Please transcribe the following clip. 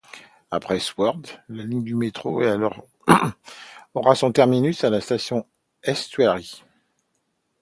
Après Swords, la ligne de métro aura son terminus à la station Estuary.